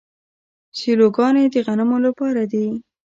سیلوګانې د غنمو لپاره دي.